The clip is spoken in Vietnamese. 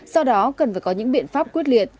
do đó cần phải có những biện pháp quyết liệt